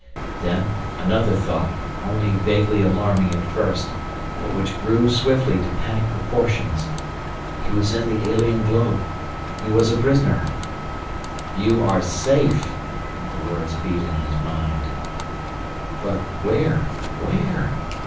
Then another thought, only vaguely alarming at first, but which grew swiftly to panic proportions He was in the alien globe He was a prisoner! "You are safe!" the words beat in his mind. "But where where?"